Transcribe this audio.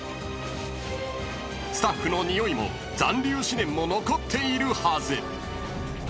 ［スタッフのにおいも残留思念も残っているはず］